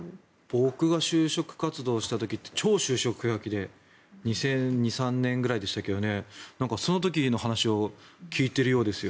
僕が就職活動をした時って超就職氷河期で２００２年２００３年くらいでしたがその時の話を聞いてるようです。